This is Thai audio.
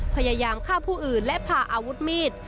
พยายามฆ่าผู้อื่นและพาอาวุธมีด